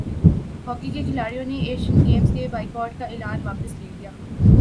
hockey کےکھلاڑیوں نے Asian Games کے بائیکاٹ کا اعلان واپس لے لیا